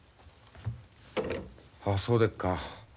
ああそうでっか。